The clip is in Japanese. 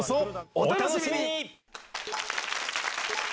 お楽しみに！